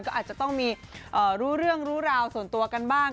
ก็อาจจะต้องมีรู้เรื่องรู้ราวส่วนตัวกันบ้าง